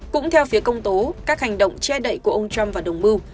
cũng theo phía công tố các hành động che đậy của ông trump và đồng mưu